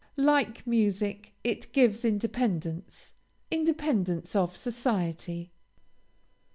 Like music, it gives independence independence of society.